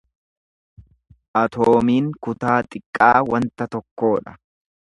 Atoomiin kutaa xiqqaa wanta tokkoo dha.